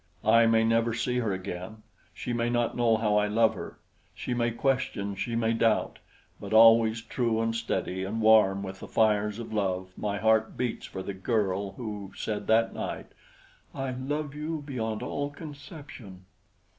I may never see her again; she may not know how I love her she may question, she may doubt; but always true and steady, and warm with the fires of love my heart beats for the girl who said that night: "I love you beyond all conception."